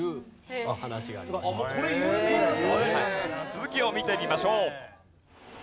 続きを見てみましょう。